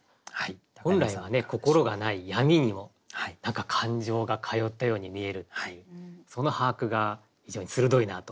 本来は心がない闇にも何か感情が通ったように見えるっていうその把握が非常に鋭いなと思いました。